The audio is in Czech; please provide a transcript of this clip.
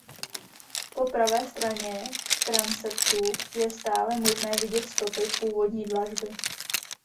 Po pravé straně transeptu je stále možné vidět stopy původní dlažby.